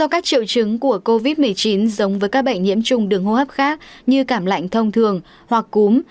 các triệu chứng của covid một mươi chín giống với các bệnh nhiễm trùng đường hô hấp khác như cảm lạnh thông thường hoặc cúm